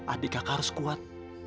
adik kakak harus kuat